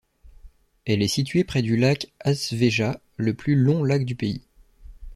Elle est située près du lac Asveja, le plus long lac du pays.